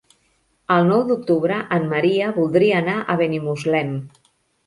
El nou d'octubre en Maria voldria anar a Benimuslem.